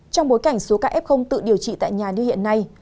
trong bối cảnh số ca f tự điều trị tại nhà như hiện nay